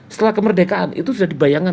setelah kemerdekaan itu sudah dibayangkan